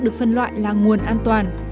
được phân loại là nguồn an toàn